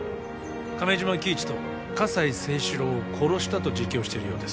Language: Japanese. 亀島喜一と葛西征四郎を殺したと自供してるようです